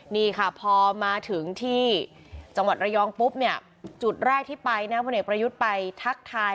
นี่ค่ะพอมาถึงที่จังหวัดระยองปุ๊บเนี่ยจุดแรกที่ไปนะพลเอกประยุทธ์ไปทักทาย